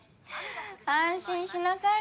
安心しなさい。